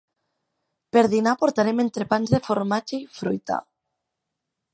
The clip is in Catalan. Per dinar portarem entrepans de formatge i fruita.